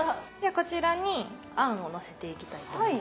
こちらに餡をのせていきたいと思います。